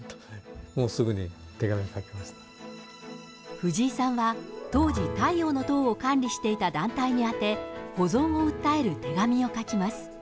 藤井さんは当時太陽の塔を管理していた団体に宛て保存を訴える手紙を書きます。